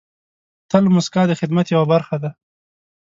تل موسکا د خدمت یوه برخه ده.